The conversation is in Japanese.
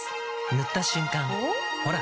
塗った瞬間おっ？